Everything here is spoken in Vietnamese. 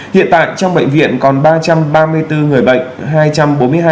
hiện tại trong bệnh viện còn ba trăm ba mươi bốn người bệnh